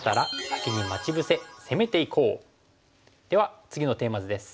では次のテーマ図です。